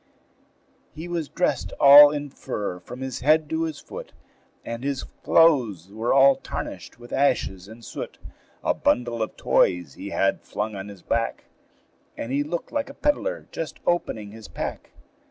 He was dressed all in fur from his head to his foot, And his clothes were all tarnished with ashes and soot; A bundle of toys he had flung on his back, And he looked like a pedler just opening his pack.